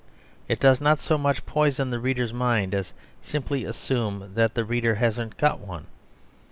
It does not so much poison the reader's mind as simply assume that the reader hasn't got one.